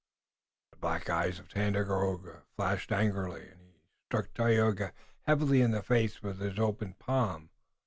The black eyes of Tandakora flashed angrily, and he struck Tayoga heavily in the face with his open palm.